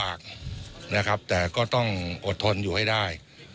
ใช้คำว่าลำบากนะครับแต่ก็ต้องอดทนอยู่ให้ได้